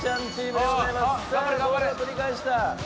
さあボールを取り返した。